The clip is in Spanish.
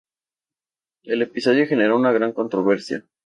El episodio generó una gran controversia.